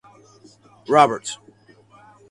Roberts.